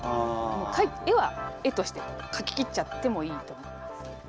絵は絵としてかききっちゃってもいいと思います。